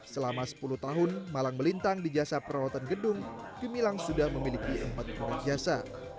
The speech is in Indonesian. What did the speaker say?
selama sepuluh tahun malang melintang di jasa perawatan gedung gemilang sudah memiliki empat unit jasa